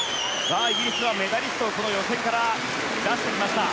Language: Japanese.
イギリスはメダリストを予選から出してきました。